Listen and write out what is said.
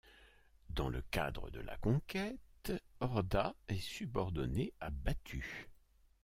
Dans le cadre de la conquête, Orda est subordonné à Batu.